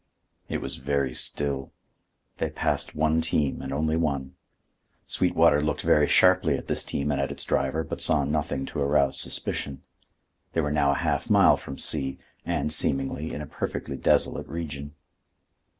It was very still. They passed one team and only one. Sweetwater looked very sharply at this team and at its driver, but saw nothing to arouse suspicion. They were now a half mile from C—, and, seemingly, in a perfectly desolate region.